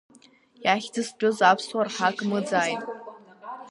Иахьӡызтәыз аԥсуаа рҳақ мыӡааит.